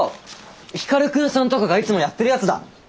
光くんさんとかがいつもやってるやつだ。